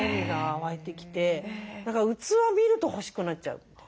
だから器見ると欲しくなっちゃう。